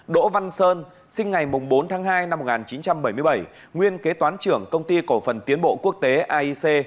bốn đỗ văn sơn sinh ngày bốn tháng hai năm một nghìn chín trăm bảy mươi bảy nguyên kế toán trưởng công ty cổ phần tiến bộ quốc tế aic